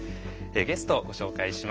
ゲストをご紹介します。